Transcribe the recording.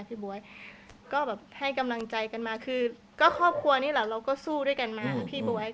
บ๊วยก็แบบให้กำลังใจกันมาคือก็ครอบครัวนี่แหละเราก็สู้ด้วยกันมานะพี่บ๊วย